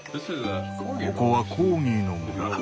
ここはコーギーの村。